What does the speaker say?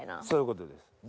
そういうことです。